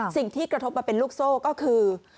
สิ่งที่กระทบมาเป็นลูกโซ่ก็คือ